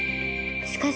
しかし。